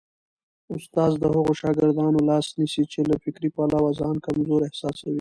استاد د هغو شاګردانو لاس نیسي چي له فکري پلوه ځان کمزوري احساسوي.